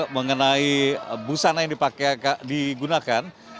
mengenai busana yang digunakan